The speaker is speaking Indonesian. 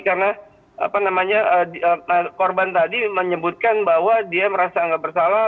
karena korban tadi menyebutkan bahwa dia merasa tidak bersalah